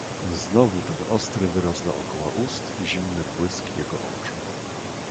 "Znowu ten ostry wyraz dokoła ust i zimny błysk jego oczu."